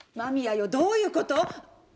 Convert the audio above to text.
どういうこと！